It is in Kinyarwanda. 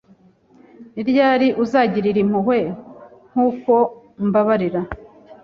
Ni ryari uzagirira impuhwe nkuko mbabarira